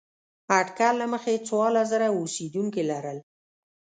اټکل له مخې څوارلس زره اوسېدونکي لرل.